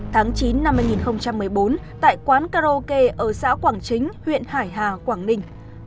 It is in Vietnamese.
tháng chín năm hai nghìn một mươi bốn tại quán karaoke ở xã quảng chính huyện hải hà quảng ninh